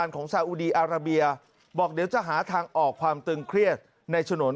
ของท่านหารืครับ